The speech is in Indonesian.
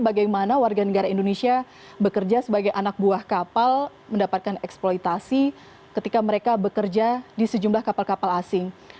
bagaimana warga negara indonesia bekerja sebagai anak buah kapal mendapatkan eksploitasi ketika mereka bekerja di sejumlah kapal kapal asing